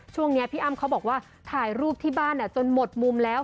ช่วงนี้พี่อ้ำเขาบอกว่าถ่ายรูปที่บ้านจนหมดมุมแล้ว